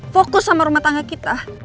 fokus sama rumah tangga kita